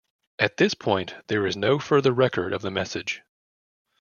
At this point there is no further record of the message.